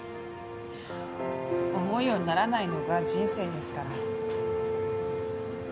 思うようにならないのが人生ですから。